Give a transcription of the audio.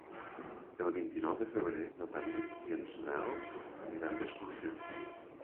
El vint-i-nou de febrer na Tanit i en Nel aniran d'excursió.